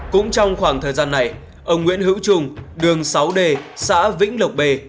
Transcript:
cũng trong khoảng thời gian này ông nguyễn hữu trung đường sáu d xã vĩnh lộc b